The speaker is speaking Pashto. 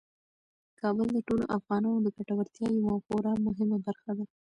کابل د ټولو افغانانو د ګټورتیا یوه خورا مهمه برخه ده.